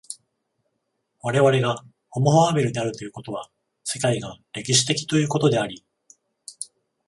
我々がホモ・ファーベルであるということは、世界が歴史的ということであり、